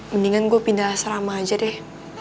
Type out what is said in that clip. mendingan gue pindah asrama aja deh